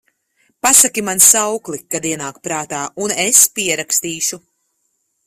Pasaki man saukli, kad ienāk prātā, un es pierakstīšu…